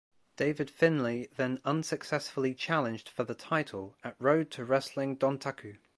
David Finlay then unsuccessfully challenged for the title at Road to Wrestling Dontaku.